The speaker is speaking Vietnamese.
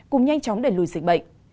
cùng nhanh chóng đẩy lùi dịch bệnh